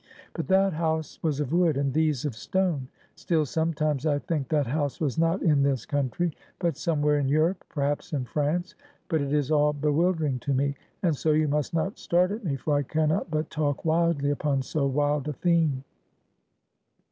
But that house was of wood, and these of stone. Still, sometimes I think that house was not in this country, but somewhere in Europe; perhaps in France; but it is all bewildering to me; and so you must not start at me, for I can not but talk wildly upon so wild a theme.